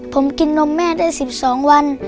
ผมกินนมแม่ได้๑๒วัน